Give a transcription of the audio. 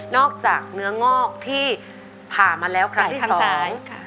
จากเนื้องอกที่ผ่ามาแล้วครั้งที่สอง